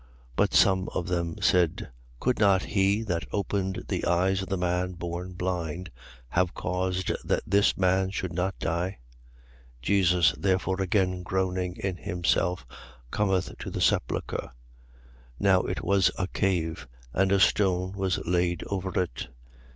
11:37. But some of them said: Could not he that opened the eyes of the man born blind have caused that this man should not die? 11:38. Jesus therefore again groaning in himself, cometh to the sepulchre. Now it was a cave; and a stone was laid over it.